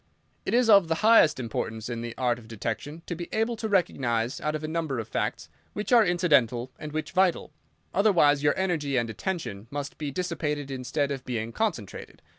"It is of the highest importance in the art of detection to be able to recognise, out of a number of facts, which are incidental and which vital. Otherwise your energy and attention must be dissipated instead of being concentrated.